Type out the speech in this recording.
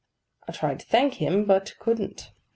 I tried to thank him, but couldn't.